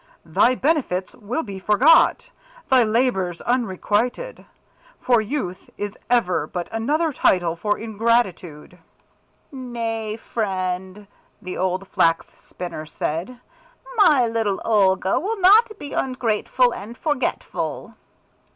"Thy benefits will be forgot, thy labours unrequited. For Youth is ever but another title for Ingratitude." "Nay, friend," the old Flax spinner said. "My little Olga will not be ungrateful and forgetful."